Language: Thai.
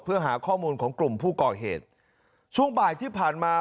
เพื่อหาข้อมูลของกลุ่มผู้ก่อเหตุช่วงบ่ายที่ผ่านมา